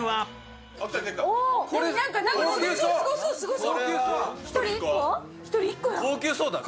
すごそう、すごそう！